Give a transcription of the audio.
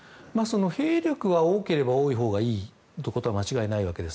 兵力は多ければ多いほうがいいのは間違いないわけです。